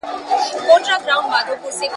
څنګه د مصر په بازار کي زلیخا ووینم ..